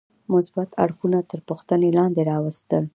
مثبت اړخونه تر پوښتنې لاندې راوستل.